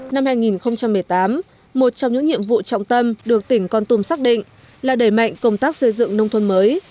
năm hai nghìn một mươi tám một trong những nhiệm vụ trọng tâm được tỉnh con tum xác định là đẩy mạnh công tác xây dựng nông thôn mới